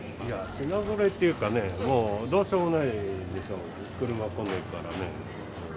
品ぞろえっていうかね、もうどうしようもないでしょう、車来ないからね。